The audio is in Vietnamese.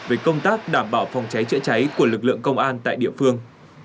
về công tác đảm bảo phòng cháy chữa cháy của lực lượng công an tại địa phương